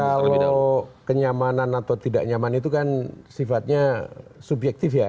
kalau kenyamanan atau tidak nyaman itu kan sifatnya subjektif ya